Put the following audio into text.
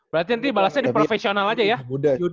berarti nanti balasnya di profesional aja ya